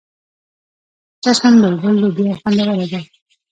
چشم بلبل لوبیا خوندوره ده.